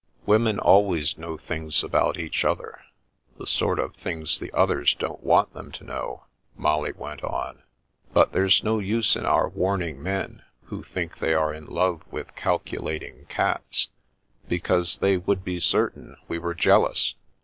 " Women always know things about each other — ^the sort of things the others don't want them to know," Molly went on ;" but there's no use in our warning men who think they are in love with Cal culating Cats, because they would be certain we were jealous.